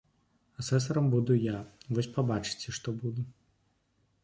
Асэсарам буду я, вось пабачыце, што буду!